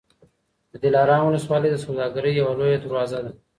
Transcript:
د دلارام ولسوالي د سوداګرۍ یوه لویه دروازه ده.